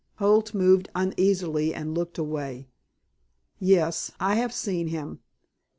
Holt moved uneasily and looked away. "Yes, I have seen him."